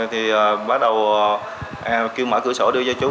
thì bắt đầu kêu mở cửa sổ đưa cho chú